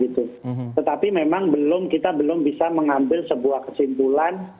tetapi memang kita belum bisa mengambil sebuah kesimpulan